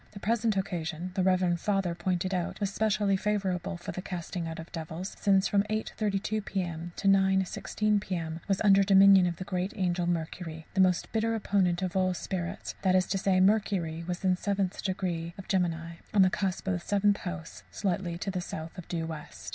The present occasion, the reverend Father pointed out, was specially favourable for the casting out of devils, since from 8.32 p.m. to 9.16 p.m. was under the dominion of the great angel Mercury the most bitter opponent of all evil spirits; that is to say, Mercury was in 17° ♊. on the cusp of Seventh House, slightly to south of due west.